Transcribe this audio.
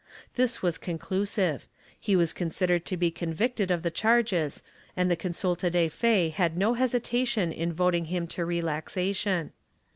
This was conclusive; he was considered to be convicted of the charges and the consulta de fe had no hesitation in voting him to relaxation.